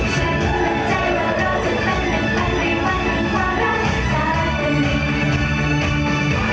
ฉันมั่นใจแล้วเราจะเป็นหนึ่งคนในวันหนึ่งความรัก